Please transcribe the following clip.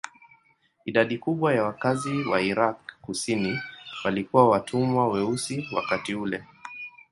Idadi kubwa ya wakazi wa Irak kusini walikuwa watumwa weusi wakati ule.